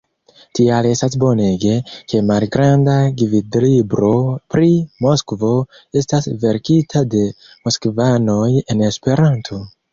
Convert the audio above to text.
Tial estas bonege, ke Malgranda gvidlibro pri Moskvo estas verkita de moskvanoj en Esperanto.